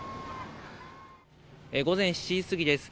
午前７時過ぎです。